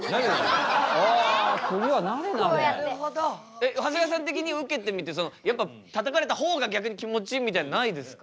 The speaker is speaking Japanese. えっ長谷川さん的に受けてみてやっぱたたかれた方が逆に気持ちいいみたいなのないですか？